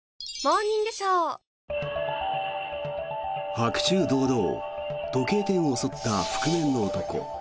白昼堂々、時計店を襲った覆面の男。